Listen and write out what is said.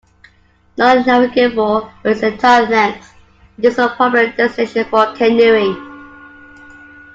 Non-navigable for its entire length, it is a popular destination for canoeing.